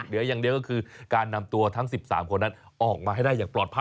เหลืออย่างเดียวก็คือการนำตัวทั้ง๑๓คนนั้นออกมาให้ได้อย่างปลอดภัย